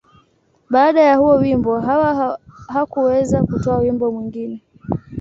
Baada ya huo wimbo, Hawa hakuweza kutoa wimbo mwingine.